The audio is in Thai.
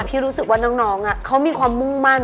พี่รู้สึกว่าน้องเขามีความมุ่งมั่น